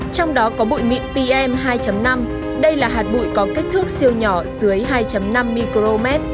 trong đó có bụi mịn pm hai năm đây là hạt bụi có kích thước siêu nhỏ dưới hai năm micromet